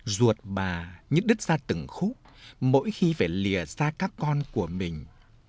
ruột bà những đứt ra từng khúc mỗi khi phải lìa ra các con của mình